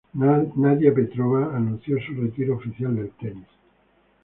Nadia Petrova anunció su retiro oficial del tenis.